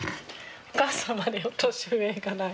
お母さんまで年上じゃない。